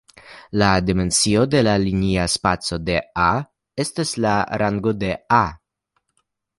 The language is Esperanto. La dimensio de la linia spaco de "A" estas la rango de "A".